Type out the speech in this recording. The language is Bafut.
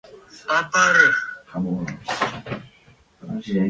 A barə̂!